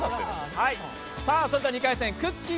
そして２回戦、くっきー！